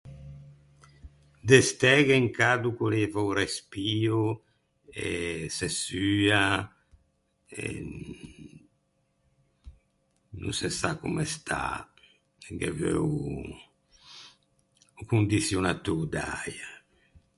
De stæ gh’é un cado ch’o leva o respio e se sua e no se sa comme stâ. Ghe veu o o condiçionatô d’äia.